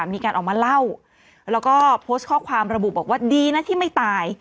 มีการออกมาเล่าแล้วก็โพสต์ข้อความระบุบอกว่าดีนะที่ไม่ตาย